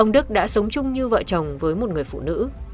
ông đức đã sống chung như vợ chồng với một người phụ nữ